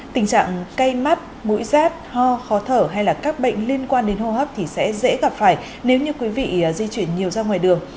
tình trạng cay mắt mũi rát ho khó thở hay là các bệnh liên quan đến hô hấp thì sẽ dễ gặp phải nếu như quý vị di chuyển nhiều ra ngoài đường